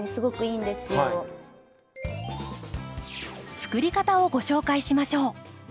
作り方をご紹介しましょう。